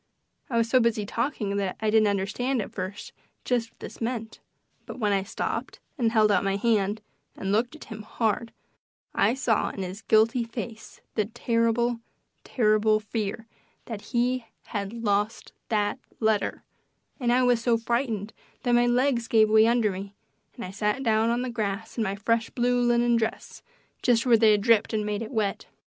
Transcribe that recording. I was so busy talking that I didn't understand at first just what this meant, but when I stopped and held out my hand and looked at him hard I saw in his guilty face the terrible, terrible fear that he had lost that letter; and I was so frightened that my legs gave way under me, and I sat down on the grass in my fresh blue linen dress, just where they had dripped and made it wet.